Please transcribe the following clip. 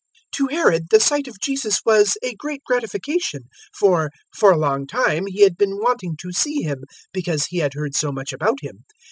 023:008 To Herod the sight of Jesus was a great gratification, for, for a long time, he had been wanting to see Him, because he had heard so much about Him.